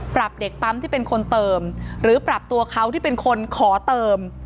ปรับเด็กปั๊มที่เป็นคนเติมหรือปรับตัวเขาที่เป็นคนขอเติม